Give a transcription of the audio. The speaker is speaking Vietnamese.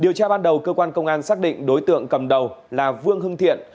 điều tra ban đầu cơ quan công an xác định đối tượng cầm đầu là vương hưng thiện